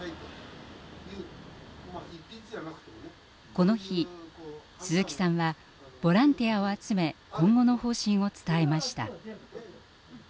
この日鈴木さんはボランティアを集め今後の方針を伝えました。